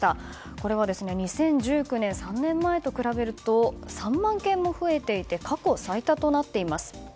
これは２０１９年、３年前と比べると３万件も増えていて過去最多となっています。